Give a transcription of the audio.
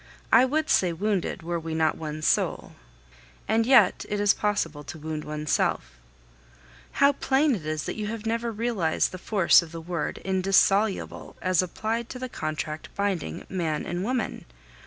I would say wounded were we not one soul. And yet it is possible to wound oneself. How plain it is that you have never realized the force of the word indissoluble as applied to the contract binding man and woman!